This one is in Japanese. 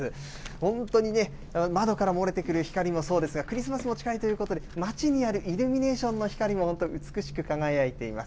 本当にね、窓から漏れてくる光もそうですが、クリスマスも近いということで、街にあるイルミネーションの光も本当、美しく輝いています。